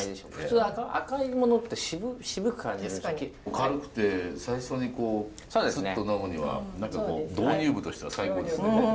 軽くて最初にこうちょっと呑むには何か導入部としては最高ですね。